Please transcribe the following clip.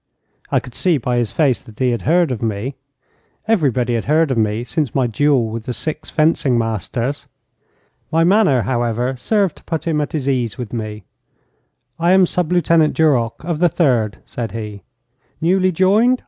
I could see by his face that he had heard of me. Everybody had heard of me since my duel with the six fencing masters. My manner, however, served to put him at his ease with me. 'I am Sub Lieutenant Duroc, of the Third,' said he. 'Newly joined?'